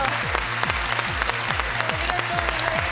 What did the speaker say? ありがとうございます。